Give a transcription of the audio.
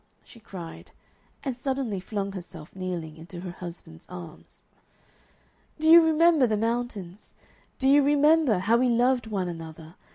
she cried, and suddenly flung herself, kneeling, into her husband's arms. "Do you remember the mountains? Do you remember how we loved one another?